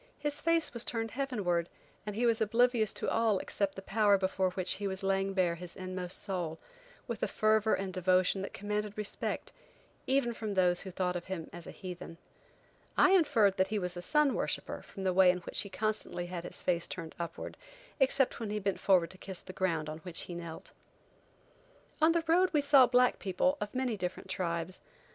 His face was turned heavenward, and he was oblivious to all else except the power before which he was laying bare his inmost soul, with a fervor and devotion that commanded respect, even from those who thought of him as a heathen. I inferred that he was a sun worshipper from the way in which he constantly had his face turned upward, except when he bent forward to kiss the ground on which he knelt. On the road we saw black people of many different tribes.